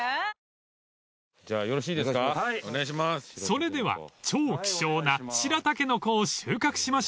［それでは超希少な白たけのこを収穫しましょう］